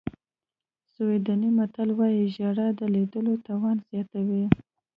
سویډني متل وایي ژړا د لیدلو توان زیاتوي.